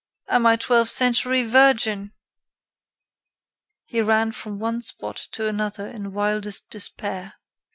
And my twelfth century Virgin!" He ran from one spot to another in wildest despair.